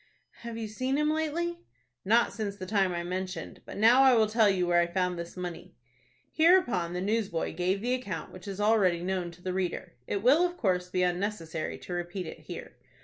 "Have you seen him lately?" "Not since the time I mentioned. But now I will tell you where I found this money." Hereupon the newsboy gave the account which is already known to the reader. It will, of course, be unnecessary to repeat it here.